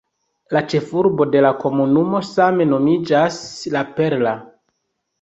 La ĉefurbo de la komunumo same nomiĝas "La Perla".